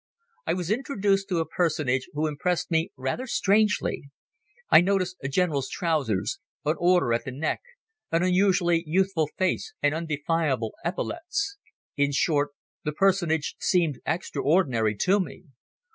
I was introduced to a personage who impressed me rather strangely. I noticed a General's trousers, an Order at the neck, an unusually youthful face and undefinable epaulettes. In short, the personage seemed extraordinary to me.